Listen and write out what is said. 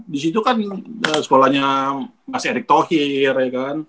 di situ kan sekolahnya mas erick thohir ya kan